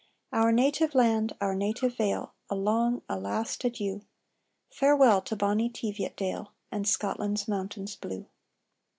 "Our native land our native vale A long, a last adieu! Farewell to bonny Teviot dale, And Scotland's mountains blue."